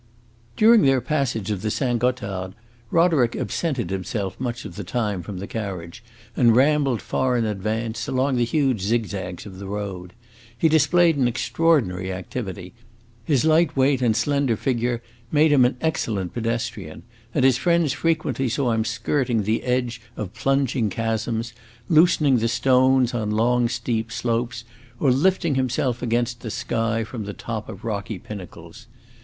During their passage of the Saint Gothard, Roderick absented himself much of the time from the carriage, and rambled far in advance, along the huge zigzags of the road. He displayed an extraordinary activity; his light weight and slender figure made him an excellent pedestrian, and his friends frequently saw him skirting the edge of plunging chasms, loosening the stones on long, steep slopes, or lifting himself against the sky, from the top of rocky pinnacles.